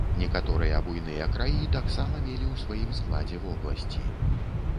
Некаторыя буйныя краі таксама мелі ў сваім складзе вобласці.